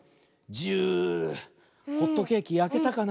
ジューホットケーキやけたかな。